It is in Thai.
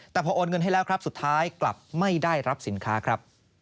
แต่พอโอนเงินให้แล้วครับสุดท้ายกลับไม่ได้รับสินค้าครับ